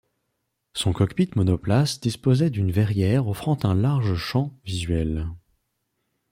Son cockpit monoplace disposait d'une verrière offrant un large champs visuel.